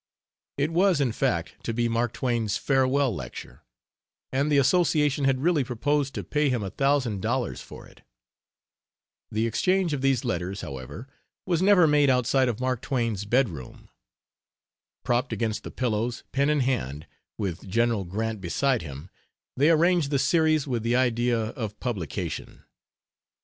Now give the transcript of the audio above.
It was, in fact, to be Mark Twain's "farewell lecture," and the association had really proposed to pay him a thousand dollars for it. The exchange of these letters, however, was never made outside of Mark Twain's bed room. Propped against the pillows, pen in hand, with General Grant beside him, they arranged the series with the idea of publication.